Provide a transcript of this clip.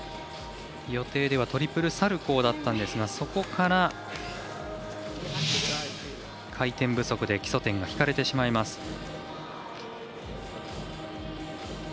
予定ではトリプルサルコーだったんですがそこから、回転不足で基礎点が引かれてしまいます。